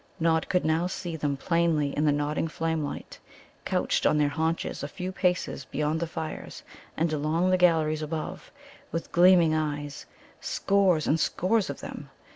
Nod could now see them plainly in the nodding flamelight, couched on their haunches a few paces beyond the fires, and along the galleries above, with gleaming eyes, scores and scores of them.